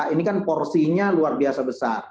ini kan porsinya luar biasa besar